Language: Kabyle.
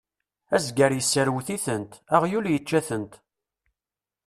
Azger yesserwet-itent, aɣyul yečča-tent.